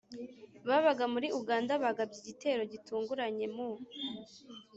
babaga muri uganda bagabye igitero gitunguranye mu